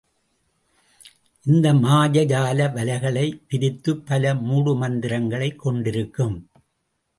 இது மாயாஜால வலைகளை விரித்துப் பல மூடுமந்திரங்களைக் கொண்டிருக்கும்.